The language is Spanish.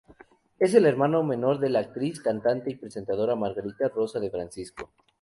Es el hermano menor de la actriz, cantante y presentadora Margarita Rosa de Francisco.